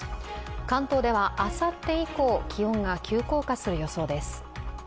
関東ではあさって以降、気温が急降下する予想です。